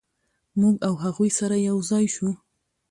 موږ او هغوی سره یو ځای شوو.